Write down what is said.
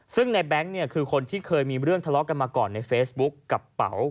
ซึ่งในแบงค์เนี่ยคือคนที่เคยมีเรื่องทะเลาะกันมาก่อนในเฟซบุ๊คกับเป๋า